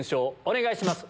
お願いします。